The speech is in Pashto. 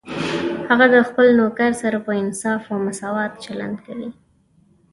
هغه د خپل نوکر سره په انصاف او مساوات چلند کوي